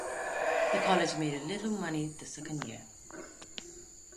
The college made a little money the second year.